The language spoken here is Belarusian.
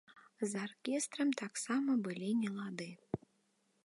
З аркестрам таксама былі нелады.